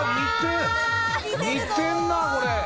似てんなこれ。